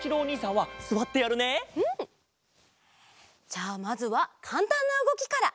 じゃあまずはかんたんなうごきから。